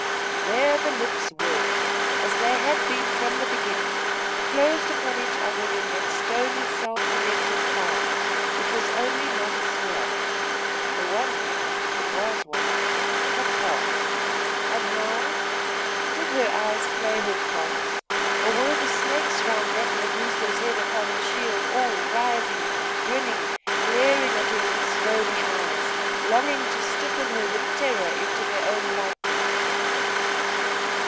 there the lips were, as they had been from the beginning, closed upon each other in that stony self collected calm, which was only not a sneer. The wonder, if it was one, had passed: and now did her eyes play her false, or were the snakes round that Medusa's head upon the shield all writhing, grinning, glaring at her with stony eyes, longing to stiffen her with terror into their own likeness?